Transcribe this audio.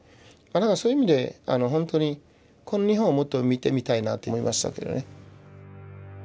そういう意味であのほんとにこの日本をもっと見てみたいなって思いましたけどね。